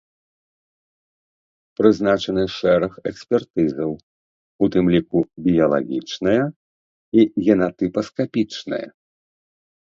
Прызначаны шэраг экспертызаў, у тым ліку біялагічная і генатыпаскапічная.